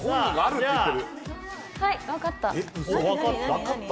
はい分かった。